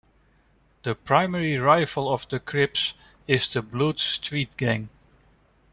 The primary rival of the Crips is the Bloods street-gang.